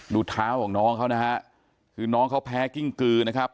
ดูเท้าของน้องเขานะฮะคือน้องเขาแพ้กิ้งกือนะครับ